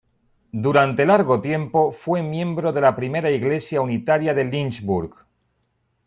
Durante largo tiempo fue miembro de la Primera Iglesia Unitaria de Lynchburg.